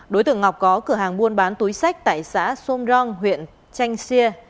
đối tượng ngọc có cửa hàng buôn bán túi sách tại xã somrong huyện chanh xe